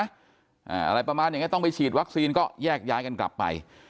อะไรประมาณอย่างเงี้ต้องไปฉีดวัคซีนก็แยกย้ายกันกลับไป